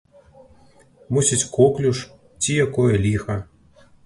Мусіць коклюш ці якое ліха.